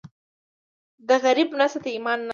د غریب مرسته د ایمان نښه ده.